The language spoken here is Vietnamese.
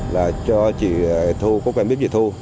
là cho chị thu có cây bếp chị thu